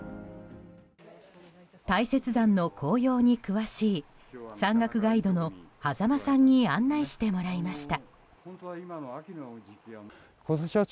大雪山の紅葉に詳しい山岳ガイドの硲さんに案内してもらいました。